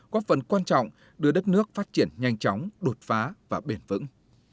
góp phần quan trọng đưa đất nước phát triển nhanh chóng đột phá và bền vững